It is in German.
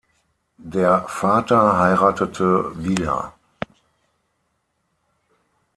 Der Vater heiratete wieder.